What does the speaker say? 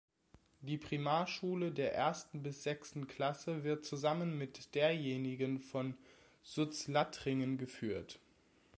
Die Primarschule der ersten bis sechsten Klasse wird zusammen mit derjenigen von Sutz-Lattrigen geführt.